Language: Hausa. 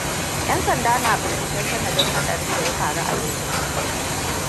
Ƴan sanda na binciken sanadin haɗarin da ya faru a lokacin.